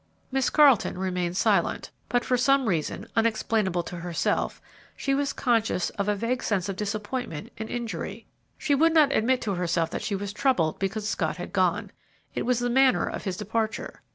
Miss Carleton remained silent; but for some reason, unexplainable to herself, she was conscious of a vague sense of disappointment and injury. She would not admit to herself that she was troubled because Scott had gone, it was the manner of his departure.